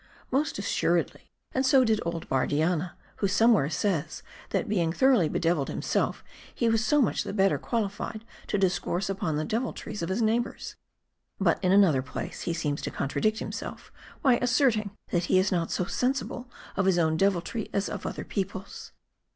" Most assuredly ; and so did old Bardianna ; who some where says, that being thoroughly bedeviled himself, he was so much the better qualified to discourse upon the deviltries of his neighbors. But in another place he seems to contra dict himself, by asserting, that he is not so sensible of his own deviltry as of other people's."